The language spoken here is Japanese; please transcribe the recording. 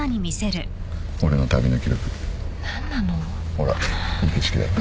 ほらいい景色だろ。